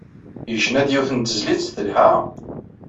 Yecna-d yiwet n tezlit telha.